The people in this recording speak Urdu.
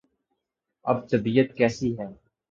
اب طبیعت کیسی ہے؟